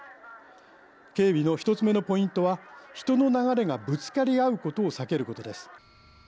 警備の１つ目のポイントは人の流れがぶつかり合うことを避けることです。